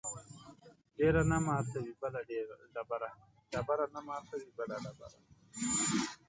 ډبره نه ماتوي بله ډبره